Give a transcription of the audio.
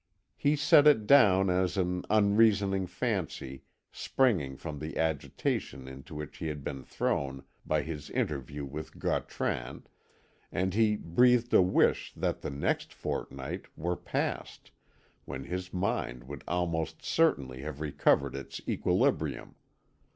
He set it down as an unreasoning fancy springing from the agitation into which he had been thrown by his interview with Gautran, and he breathed a wish that the next fortnight were passed, when his mind would almost certainly have recovered its equilibrium.